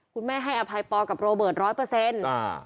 คุณแม่ให้อภัยปลอดกับโรเบิร์ตร้อยเปอร์เซ็นต์